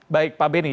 baik pak benny